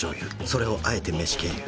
それをあえて飯経由。